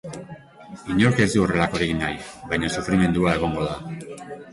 Inork ez du horrelakorik nahi, baina sufrimendua egongo da.